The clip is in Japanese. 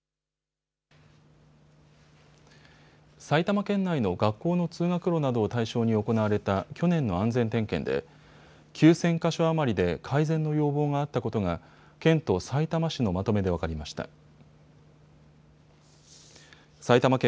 埼玉県内の学校の通学路などを対象に行われた去年の安全点検で９０００か所余りで改善の要望があったことが県とさいたま市のまとめで分かりました。